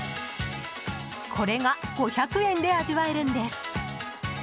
これが５００円で味わえるんです。